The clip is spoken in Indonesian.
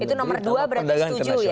itu nomor dua berarti setuju ya